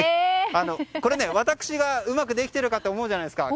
これ、私がうまくできているかと思うじゃないですか。